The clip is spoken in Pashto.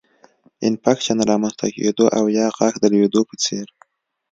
انفکشن رامنځته کېدو او یا غاښ د لوېدو په څېر